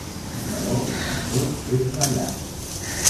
Però no tot és ballar.